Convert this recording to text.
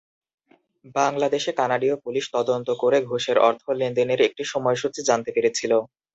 বাংলাদেশে কানাডীয় পুলিশ তদন্ত করে ঘুষের অর্থ লেনদেনের একটি সময়সূচি জানতে পেরেছিল।